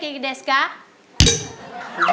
เพื่อจะไปชิงรางวัลเงินล้าน